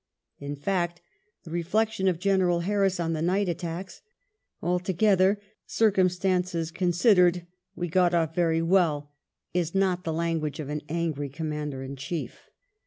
In fact, the reflection of General Harris on the night attacks —" altogether, circumstances considered, 42 WELLINGTON chap. we got off very well "— is not the language of an angry Commander in Chief.